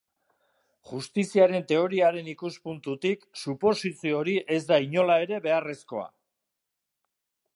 Justiziaren teoriaren ikuspuntutik, suposizio hori ez da inola ere beharrezkoa.